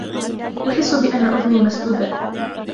أحس بأن أذني مسدودة.